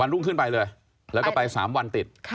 วันลุ้งขึ้นไปเลยแล้วก็ไป๓วันติดค่ะ